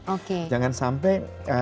oke jangan sampai